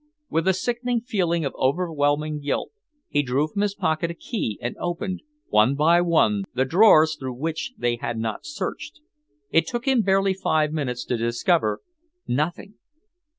With a sickening feeling of overwhelming guilt, he drew from his pocket a key and opened, one by one, the drawers through which they had not searched. It took him barely five minutes to discover nothing.